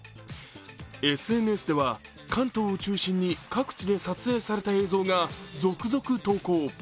ＳＮＳでは、関東を中心に各地で撮影された映像が続々投稿。